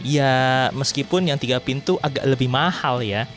ya meskipun yang tiga pintu agak lebih mahal ya